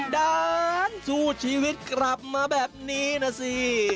ด้านสู้ชีวิตกลับมาแบบนี้นะสิ